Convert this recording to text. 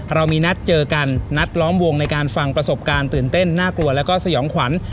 เรามีนัดเจอกันนัดล้อมวงในการฟังประสบการณ์ตื่นเต้นน่ากลัวแล้วก็สยองขวัญ